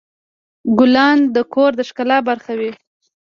ګلان د کور د ښکلا برخه وي.